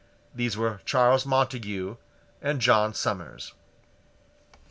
These were Charles Montague and John Somers.